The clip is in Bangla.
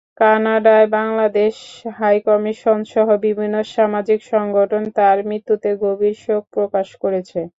কানাডায় বাংলাদেশ হাইকমিশনসহ বিভিন্ন সামাজিক সংগঠন তার মৃত্যুতে গভীর শোক প্রকাশ করেছে।